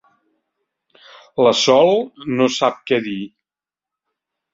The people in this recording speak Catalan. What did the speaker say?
La Sol no sap què dir.